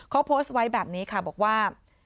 เขาโพสต์ไว้แบบนี้ค่ะบอกว่า